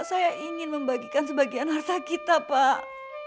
saya ingin membagikan sebagian harsa kita pak